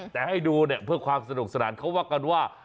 แต่ให้ดูเนี่ยเพื่อความสนุกสนานเขาว่ากันว่า